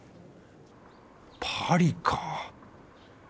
パリか。